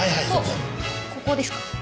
とここですか？